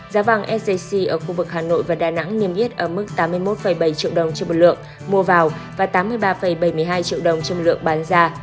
giá vàng sjc ở khu vực hà nội và đà nẵng niêm yết ở mức tám mươi một bảy triệu đồng trên một lượng mua vào và tám mươi ba bảy mươi hai triệu đồng trên một lượng bán ra